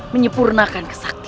menyempurnakanku untuk abadi